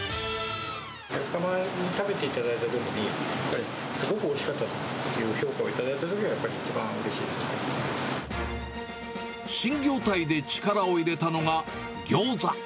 お客様食べていただいたときに、すごくおいしかったという評価を頂いたときに、やっぱり一番うれ新業態で力を入れたのが、ギョーザ。